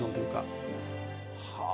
はあ！